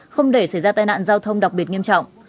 không để xảy ra tai nạn giao thông đặc biệt nghiêm trọng